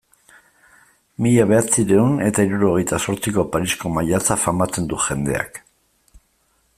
Mila bederatziehun eta hirurogeita zortziko Parisko maiatza famatzen du jendeak.